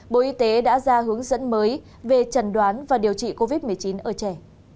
bộ y tế đã ra hướng dẫn mới về trần đoán và điều trị covid một mươi chín ở trẻ